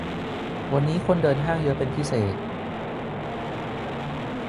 วันนี้คนเดินห้างเยอะเป็นพิเศษ